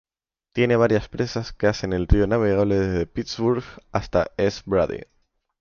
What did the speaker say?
Tiene varias presas que hacen el río navegable desde Pittsburgh hasta East Brady.